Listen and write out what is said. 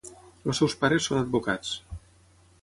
Els seus pares són advocats.